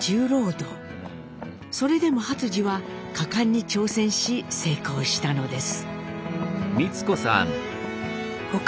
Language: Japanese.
それでも初次は果敢に挑戦し成功したのです。